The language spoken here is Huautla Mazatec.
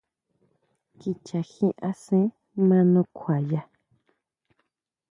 Kicha jin asen ʼma nukjuaya.